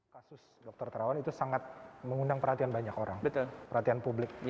kasus dr terawan itu sangat mengundang perhatian banyak orang perhatian publik